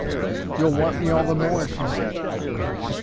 'You'll want me all the more,' she said.